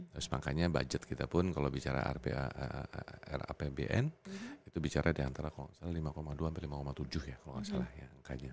terus makanya budget kita pun kalau bicara rapbn itu bicara di antara kalau lima dua sampai lima tujuh ya kalau nggak salah ya angkanya